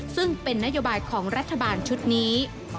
ซึ่งเป็นนโยบายของรัฐบาลชุดนี้